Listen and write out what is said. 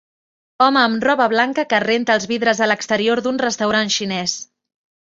Home amb roba blanca que renta els vidres a l"exterior d"un restaurant xinés.